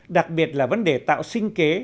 đặc biệt là vấn đề tạo sinh kế